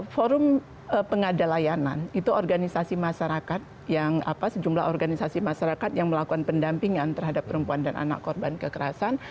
forum pengadalayanan itu organisasi masyarakat yang sejumlah organisasi masyarakat yang melakukan pendampingan terhadap perempuan dan anak korban kekerasan